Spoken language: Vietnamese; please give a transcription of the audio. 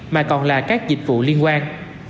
mà còn là các dịch vụ liên quan